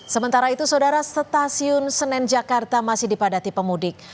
sementara itu saudara stasiun senen jakarta masih dipadati pemudik